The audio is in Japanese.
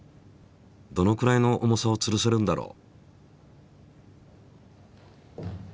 どのくらいの重さを吊るせるんだろう？